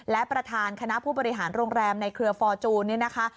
และประธานคณะผู้บริหารโรงแรมในเครือฟอร์จูนเนี่ยนะคะ